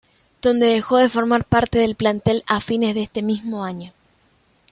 Donde dejó de formar parte del plantel a fines de ese mismo año.